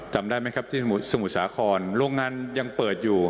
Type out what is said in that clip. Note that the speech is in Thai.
จำได้ไหมครับที่สมุทรสาครโรงงานยังเปิดอยู่